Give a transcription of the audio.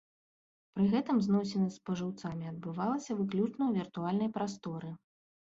Пры гэтым зносіны з спажыўцамі адбывалася выключна ў віртуальнай прасторы.